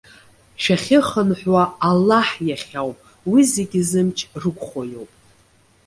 Шәахьыхынҳәуа Аллаҳ иахь ауп, уи зегьы зымч рықәхо иоуп.